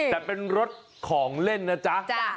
แต่เป็นรถของเล่นนะจ๊ะ